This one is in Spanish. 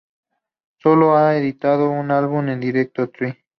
Sólo han editado un álbum en directo, "Try!